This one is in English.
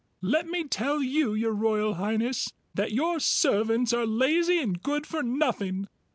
Let me tell you, Your Royal Highness, that your servants are lazy and good for nothing!